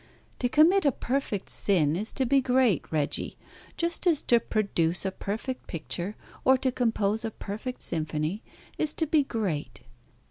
To commit a perfect sin is to be great, Reggie, just as to produce a perfect picture, or to compose a perfect symphony, is to be great.